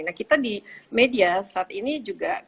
nah kita di media saat ini juga